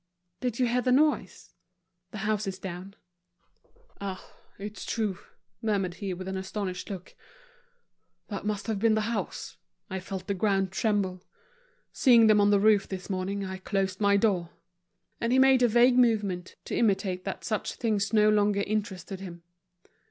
"Did you hear the noise? The house is down." "Ah! it's true," murmured he, with an astonished look, "that must have been the house. I felt the ground tremble. Seeing them on the roof this morning, I closed my door." And he made a vague movement, to imitate that such things no longer interested him.